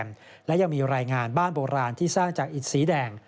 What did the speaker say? และยังมีรายงานบ้านโบราณที่สร้างจากอิดสีแดง